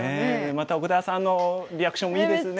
また奥田さんのリアクションもいいですね。